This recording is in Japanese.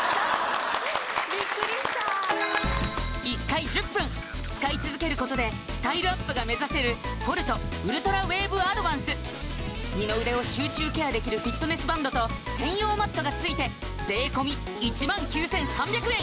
ビックリした１回１０分使い続けることでスタイルアップが目指せるポルトウルトラウェーブアドバンス二の腕を集中ケアできるフィットネスバンドと専用マットがついて税込１万９３００円